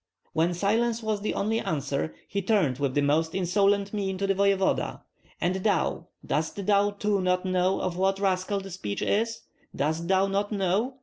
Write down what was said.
When silence was the only answer, he turned with the most insolent mien to the voevoda: "And thou, dost thou too not know of what rascal the speech is? Dost thou not know?